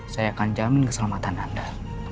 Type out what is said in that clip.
saya akan jamin keselamatan anda